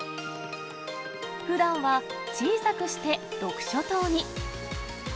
ふだんは小さくして読書灯に。